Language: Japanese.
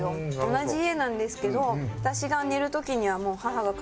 同じ家なんですけど私が寝る時には母が帰ってきて。